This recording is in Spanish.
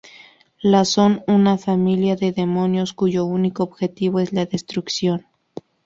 La son una familia de demonios cuyo único objetivo es la destrucción.